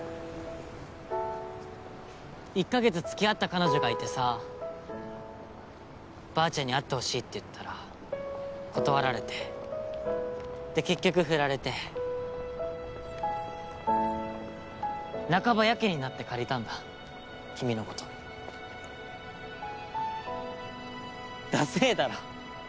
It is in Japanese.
１ヵ月つきあった彼女がいてさばあちゃんに会ってほしいって言ったら断られてで結局振られて半ばやけになって借りたんだ君のことだせぇだろ？